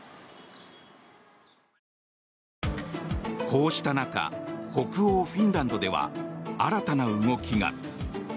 こうした中北欧フィンランドでは新たな動きが。